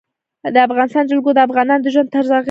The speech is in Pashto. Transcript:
د افغانستان جلکو د افغانانو د ژوند طرز اغېزمنوي.